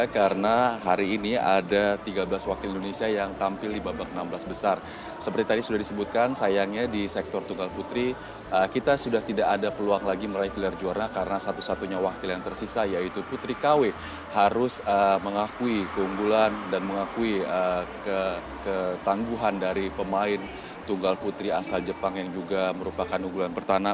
karena satu satunya wakil yang tersisa yaitu putri kw harus mengakui keunggulan dan mengakui ketangguhan dari pemain tunggal putri asal jepang yang juga merupakan keunggulan pertama